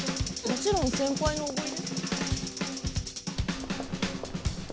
もちろん先輩のおごり。